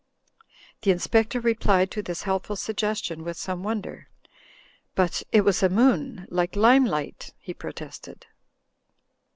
The Inspector replied to this helpful suggestion with some wonder. "But it was a moon, like limelight," he protested.